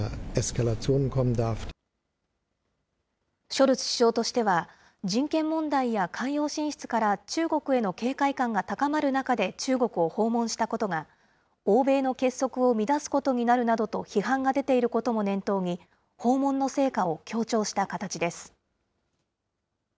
ショルツ首相としては、人権問題や海洋進出から中国への警戒感が高まる中で中国を訪問したことが、欧米の結束を乱すことになるなどと批判が出ていることも念頭に、訪問の成果を強調した形です。